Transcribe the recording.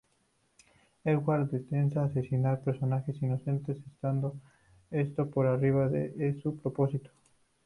Edward detesta asesinar personas inocentes, estando esto por arriba de su propósito.